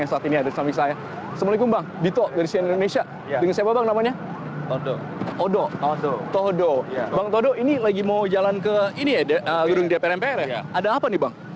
ya firda tadi bagaimana